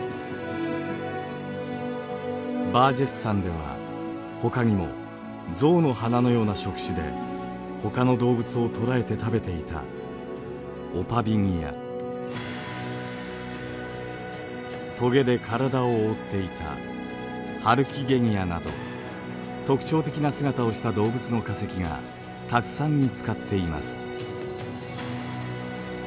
バージェス山ではほかにも象の鼻のような触手でほかの動物を捕らえて食べていたとげで体を覆っていたハルキゲニアなど特徴的な姿をした動物の化石がたくさん見つかっています。